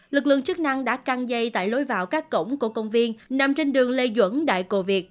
lực lượng chức năng đã căng dây tại lối vào các cổng của công viên nằm trên đường lê duẩn đại cổ việt